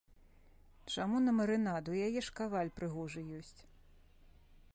Чаму на марынад, у яе ж каваль прыгожы ёсць.